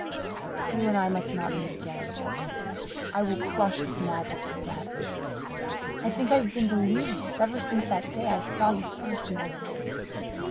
You and I must not meet again. I will crush this madness to death. I think I have been delirious ever since that day I saw you first, Magdalen.